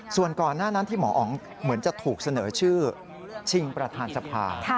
ส่วนก่อนหน้านั้นที่หมออ๋องเหมือนจะถูกเสนอชื่อชิงประธานสภา